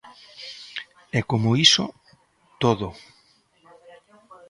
E como iso, todo.